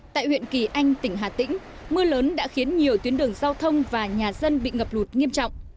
tại huyện kỳ anh tỉnh hà tĩnh mưa lớn đã khiến nhiều tuyến đường giao thông và nhà dân bị ngập lụt nghiêm trọng